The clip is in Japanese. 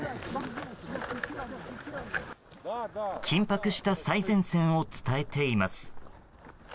緊迫した最前線を伝えています。